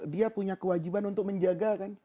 dia punya kewajiban untuk menjaga kan